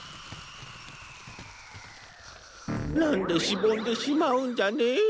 何でしぼんでしまうんじゃね？